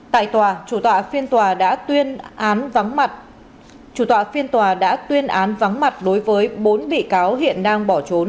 tại tòa chủ tọa phiên tòa đã tuyên án vắng mặt đối với bốn bị cáo hiện đang bỏ trốn